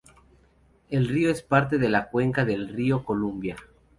El río es parte de la cuenca del río Columbia.